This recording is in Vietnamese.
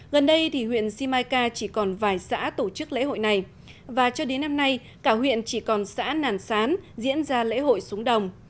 gần đây thì huyện simacai chỉ còn vài xã tổ chức lễ hội này và cho đến năm nay cả huyện chỉ còn xã nàn sán diễn ra lễ hội xuống đồng